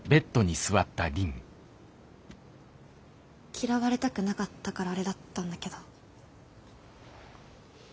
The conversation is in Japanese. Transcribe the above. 嫌われたくなかったからあれだったんだけど。